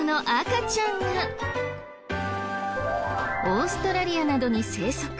オーストラリアなどに生息。